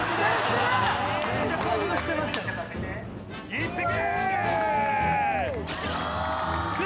１匹！